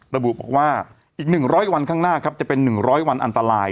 ระบุบอกว่าอีก๑๐๐วันข้างหน้าครับจะเป็น๑๐๐วันอันตราย